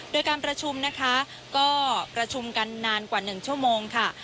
โดยการประชุมนะคะก็ประชุมกันนานกว่า๑ชั่วโมงค่ะ